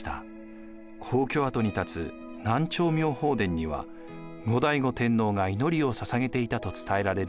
皇居跡に建つ南朝妙法殿には後醍醐天皇が祈りをささげていたと伝えられる